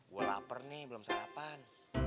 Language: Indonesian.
gue lapar nih belum sarapan